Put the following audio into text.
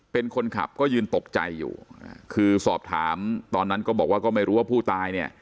เป็นคนขับก็ยืนตกใจอยู่คือสอบถามตอนนั้นก็บอกว่าก็ไม่รู้ว่าผู้ตายเนี่ย